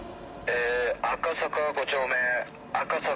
「赤坂５丁目赤坂５